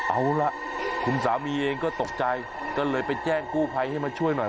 เอาล่ะคุณสามีเองก็ตกใจก็เลยไปแจ้งกู้ภัยให้มาช่วยหน่อย